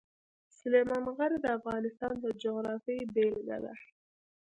سلیمان غر د افغانستان د جغرافیې بېلګه ده.